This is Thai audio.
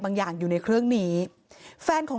หมาก็เห่าตลอดคืนเลยเหมือนมีผีจริง